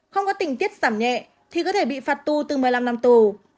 không có tình tiết giảm nhẹ thì có thể bị phạt tu từ một mươi năm năm tù